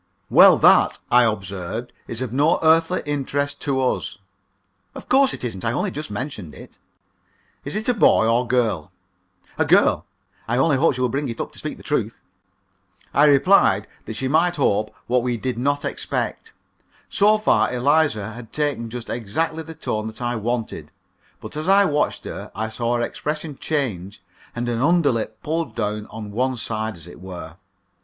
"Well, that," I observed, "is of no earthly interest to us." "Of course it isn't. I only just mentioned it." "Is it a boy or girl?" "A girl. I only hope she will bring it up to speak the truth." I replied that she might hope what we did not expect. So far Eliza had taken just exactly the tone that I wanted. But as I watched her, I saw her expression change and her underlip pulled down on one side, as it were.